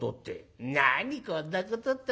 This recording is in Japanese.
こんなことって」。